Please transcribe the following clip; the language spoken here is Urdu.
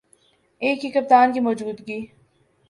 ایک ہی کپتان کی موجودگی